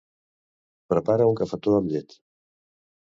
Prepara un cafetó amb llet.